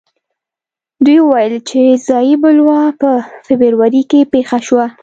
دوی وویل چې ځايي بلوا په فبروري کې پېښه شوه.